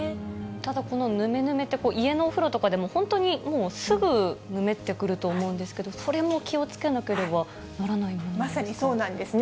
ただこのぬめぬめって、家のお風呂とかでも本当にもう、すぐぬめってくると思うんですけれども、それも気をつけなければまさにそうなんですね。